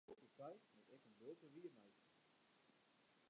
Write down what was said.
Dy't in bulte seit, moat ek in bulte wiermeitsje.